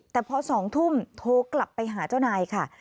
แต่พอ๒ทุ่มโทรกลับไปหาเจ้านายค่ะ